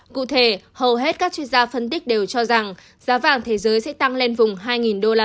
cụ thể hầu hết các chuyên gia phân tích đều cho rằng giá vàng thế giới sẽ tăng lên vùng hai usd